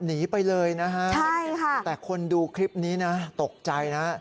หนีไปเลยนะฮะใช่ค่ะแต่คนดูคลิปนี้นะตกใจนะ